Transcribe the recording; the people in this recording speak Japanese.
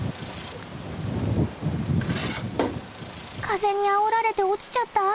風にあおられて落ちちゃった？